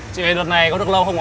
chị về đợt này có được lâu không ạ